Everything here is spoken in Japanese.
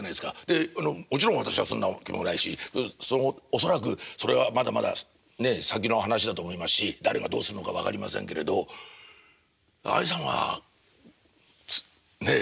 でもちろん私はそんな気もないし恐らくそれはまだまだねえ先の話だと思いますし誰がどうすんのか分かりませんけれどあにさんはねえ継いだわけですよね。